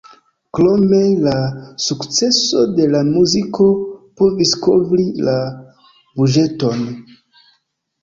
Krome, la sukceso de la muziko povis kovri la buĝeton.